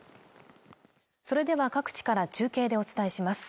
それでは各地から中継でお伝えします